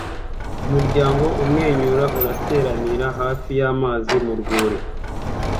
Umuryango umwenyura urateranira hafi y'amazi mu rwuri